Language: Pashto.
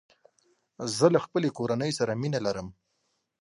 زه له خپلي کورنۍ سره مينه لرم